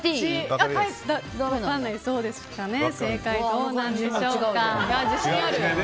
正解、どうなんでしょうか。